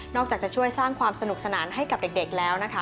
นอกจากช่วยสร้างความสนุกสนานให้เด็กแล้ว